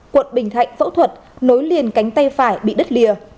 quận bình thạnh phẫu thuật nối liền cánh tay phải bị đất lìa